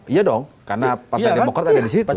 iya dong karena partai demokrat ada di situ